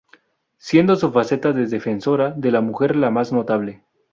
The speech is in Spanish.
Siendo su faceta de defensora de la mujer la más notable.